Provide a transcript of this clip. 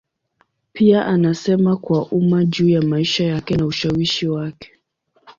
Pia anasema kwa umma juu ya maisha yake na ushawishi wake.